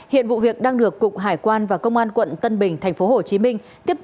hiện vụ việc đang được cục hải quan và công an quận tân bình tp hcm tiếp tục phối hợp điều tra làm rõ